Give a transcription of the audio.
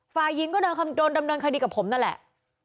ฝ่ายหญิงก็โดนดำเนินคดีกับผมนั่นแหละ